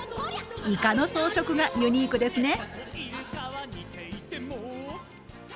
イカの装飾がユニークですね！